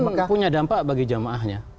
itu punya dampak bagi jamaahnya